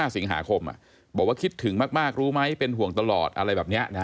สิงหาคมบอกว่าคิดถึงมากรู้ไหมเป็นห่วงตลอดอะไรแบบนี้